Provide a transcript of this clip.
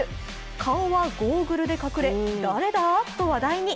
顔はゴーグルで隠れ誰だ？と話題に。